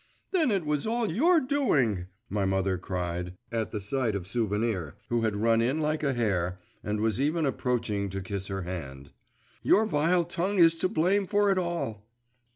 'Then it was all your doing!' my mother cried, at the sight of Souvenir, who had run in like a hare, and was even approaching to kiss her hand: 'Your vile tongue is to blame for it all!